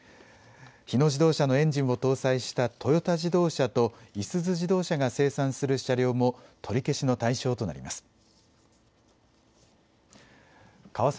日野自動車のエンジンを搭載したトヨタ自動車と、いすゞ自動車が生産する車両も、取り消しの対象となります。